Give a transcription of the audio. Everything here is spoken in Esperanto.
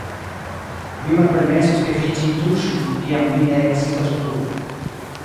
Mi malpermesos, ke vi ĝin tuŝu, kiam mi ne ekzistos plu.